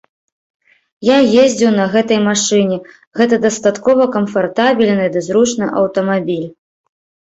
Я ездзіў на гэтай машыне, гэта дастаткова камфартабельны ды зручны аўтамабіль.